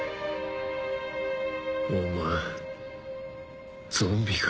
お前ゾンビか？